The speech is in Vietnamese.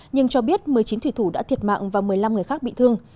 nhưng cho biết một mươi chín thủy thủ đã thiệt mạng và một mươi năm người khác bị thương